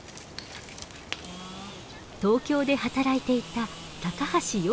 東京で働いていた橋洋介さんです。